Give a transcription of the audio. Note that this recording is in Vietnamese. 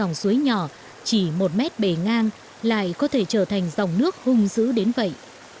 lòng suối nhỏ chỉ một mét bề ngang lại có thể trở thành dòng nước hung dữ đến vậy